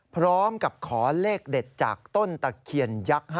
พร้อมกับขอเลขเด็ดจากต้นตะเคียนยักษ์